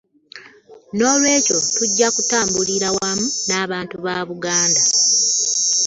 Noolwekyo tujja kutambulira wamu n'abantu ba Buganda